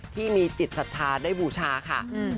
ที่มีจิตศัฐรณ์ได้บูชาค่ะ